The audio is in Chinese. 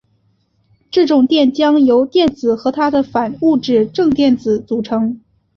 这种电浆由电子和它的反物质正电子组成。